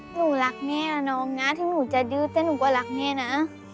หนูรักแม่น้องนะถึงหนูจะดื้อแต่หนูก็รักแม่นะ